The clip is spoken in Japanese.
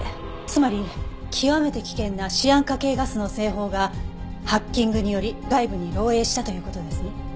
つまり極めて危険なシアン化系ガスの製法がハッキングにより外部に漏洩したという事ですね？